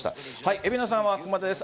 蛯名さんはここまでです。